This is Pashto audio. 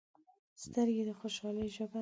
سترګې د خوشحالۍ ژبه ده